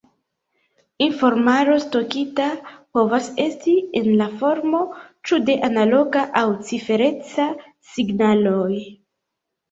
Informaro stokita povas esti en la formo ĉu de analoga aŭ cifereca signaloj.